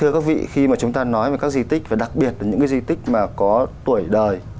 vậy khi mà chúng ta nói về các di tích và đặc biệt là những cái di tích mà có tuổi đời